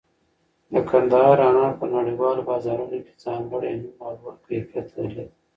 د کندهار انار په نړیوالو بازارونو کې ځانګړی نوم او لوړ کیفیت لري.